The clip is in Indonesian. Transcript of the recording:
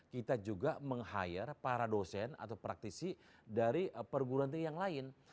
kita juga meng hire para dosen atau praktisi dari perguruan tinggi yang lain